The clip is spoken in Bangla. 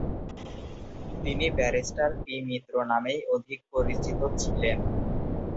তিনি ব্যারিস্টার পি মিত্র নামেই অধিক পরিচিত ছিলেন।